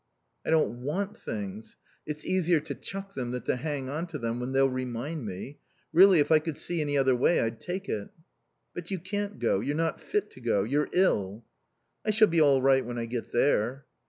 "I don't want 'things.' It's easier to chuck them than to hang on to them when they'll remind me.... Really, if I could see any other way I'd take it." "But you can't go. You're not fit to go. You're ill." "I shall be all right when I get there."